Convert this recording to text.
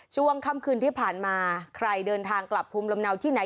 ช่วงค่ำคืนที่ผ่านมาใครเดินทางกลับภูมิลำเนาที่ไหน